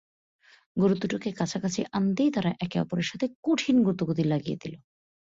গরু দুটোকে কাছাকাছি আনতেই তারা একে অপরের সঙ্গে কঠিন গুঁতোগুঁতি লাগিয়ে দিল।